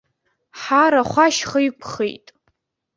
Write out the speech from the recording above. Ҳарахә ашьха иқәхеит.